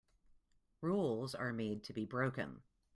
Rules are made to be broken.